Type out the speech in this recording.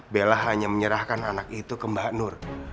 bella hanya menyerahkan anak itu ke mbak nur